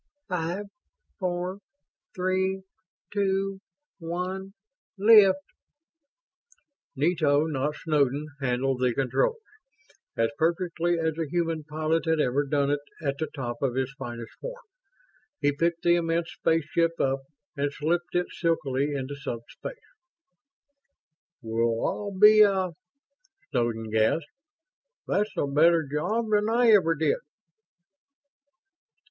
Five! Four! Three! Two! One! Lift!" Nito, not Snowden, handled the controls. As perfectly as the human pilot had ever done it, at the top of his finest form, he picked the immense spaceship up and slipped it silkily into subspace. "Well, I'll be a ..." Snowden gasped. "That's a better job than I ever did!"